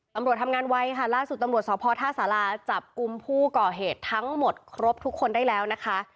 ตำรวจทำงานไว้ค่ะล่าสุดตำรวจสพท่าสาราจับกลุ่มผู้ก่อเหตุทั้งหมดครบทุกคนได้แล้วนะคะ